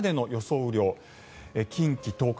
雨量近畿・東海